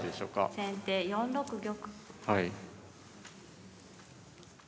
先手４六玉。